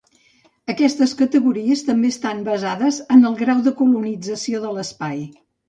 Aquestes categories també estan basades en el grau de colonització de l'espai.